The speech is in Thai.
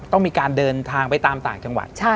ต้องมีการเดินทางไปตามต่างจังหวัด